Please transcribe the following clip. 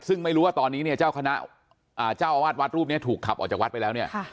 ซึ่งไม่รู้ว่าตอนนี้เนี่ยเจ้าคณะเจ้าอาวาสวัดรูปนี้ถูกขับออกจากวัดไปแล้วเนี่ย